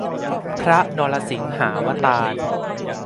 พระนรสิงหาวตาร